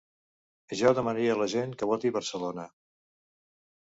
Jo demanaria a la gent que voti Barcelona.